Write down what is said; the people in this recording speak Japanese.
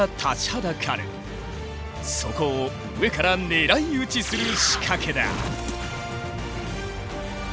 そこを上から狙い撃ちする仕掛けだ。